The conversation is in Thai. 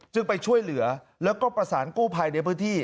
ไปช่วยเหลือแล้วก็ประสานกู้ภัยในพื้นที่